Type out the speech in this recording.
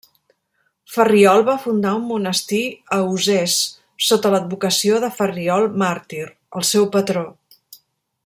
Ferriol va fundar un monestir a Usès, sota l'advocació de Ferriol màrtir, el seu patró.